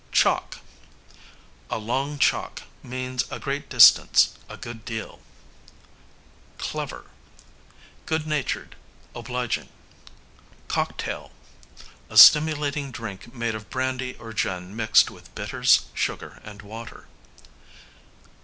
Chalk: a long chalk means a great distance, a good deal. Clever, good natured, obliging. Cocktail, a stimulating drink made of brandy or gin mixed with bitters, sugar, and water.